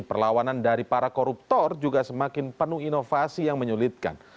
perlawanan dari para koruptor juga semakin penuh inovasi yang menyulitkan